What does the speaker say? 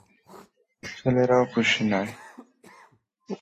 ছেলেরাও খুশি নয়।